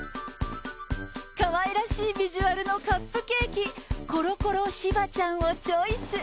かわいらしいビジュアルのカップケーキ、コロコロしばちゃんをチョイス。